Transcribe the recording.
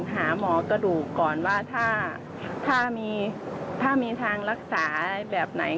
หาหมอกระดูกก่อนว่าถ้ามีทางรักษาแบบไหน